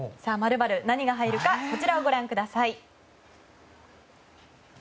○○、何が入るかこちらご覧ください。